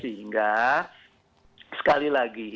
sehingga sekali lagi